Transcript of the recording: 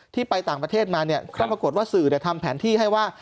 ที่ไปต่างประเทศมาเนี่ยก็ปรากฏว่าสื่อทำแผนที่ให้ว่า